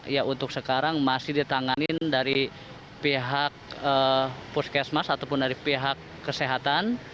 ya untuk sekarang masih ditanganin dari pihak puskesmas ataupun dari pihak kesehatan